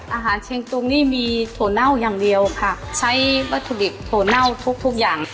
อาหารเชียงตุงนี่มีถั่วเน่าอย่างเดียวค่ะใช้วัตถุดิบถั่วเน่าทุกทุกอย่าง